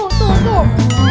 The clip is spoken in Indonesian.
tuh tuh tuh